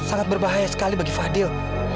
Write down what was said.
sangat berbahaya sekali bagi fadil